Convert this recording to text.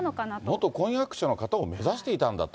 元婚約者の方を目指していたんだと。